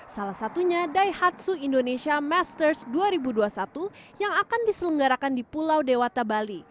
salah satunya daihatsu indonesia masters dua ribu dua puluh satu yang akan diselenggarakan di pulau dewata bali